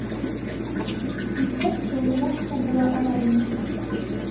Иҫәп ҙурыраҡ та була ала ине